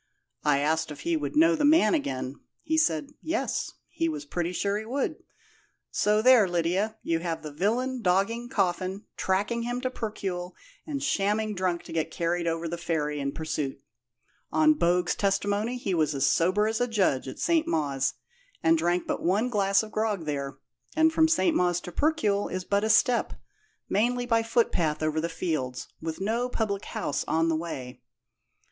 I asked if he would know the man again. He said, 'Yes,' he was pretty sure he would. So there, Lydia, you have the villain dogging Coffin, tracking him to Percuil, and shamming drunk to get carried over the ferry in pursuit. On Bogue's testimony he was as sober as a judge at St. Mawes, and drank but one glass of grog there, and from St. Mawes to Percuil is but a step, mainly by footpath over the fields, with no public house on the way."